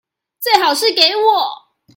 最好是給我